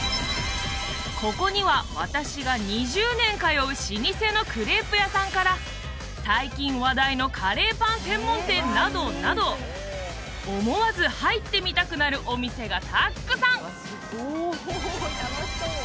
ここには私が２０年通う老舗のクレープ屋さんから最近話題のカレーパン専門店などなど思わず入ってみたくなるお店がたくさん！